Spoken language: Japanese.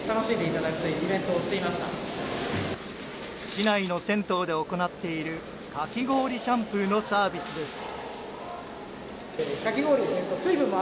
市内の銭湯で行っているかき氷シャンプーのサービスです。